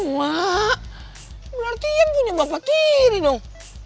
wah berarti yang punya bapak tiri dong